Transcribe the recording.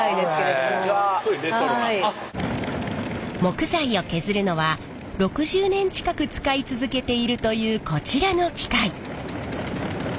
木材を削るのは６０年近く使い続けているというこちらの機械。